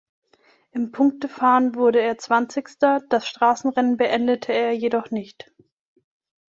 Im Punktefahren wurde er Zwanzigster, das Straßenrennen beendete er jedoch nicht.